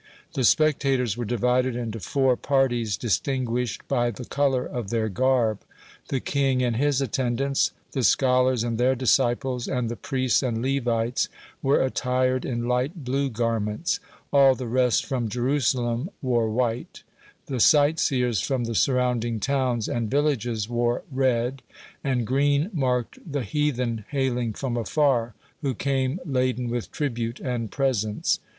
The spectators were divided into four parties distinguished by the color of their garb: the king and his attendants, the scholars and their disciples, and the priests and Levites were attired in light blue garments; all the rest from Jerusalem wore white; the sight seers from the surrounding towns and villages wore red, and green marked the heathen hailing from afar, who came laden with tribute and presents.